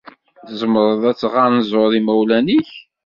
Tzemreḍ ad tɣanzuḍ imawlan-nnek?